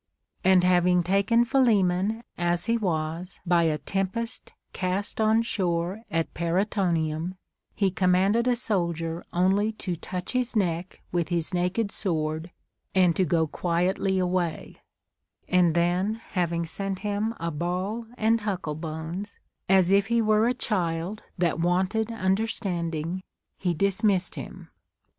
And having taken Philemon as he was by a tempest cast on shore at Paraetonium, he commanded a soldier only to touch his neck Avith his naked SAVord and to go quietly away ; and then having sent him a ball and huckle bones, as if he were a child that wanted understanding, he dismissed him.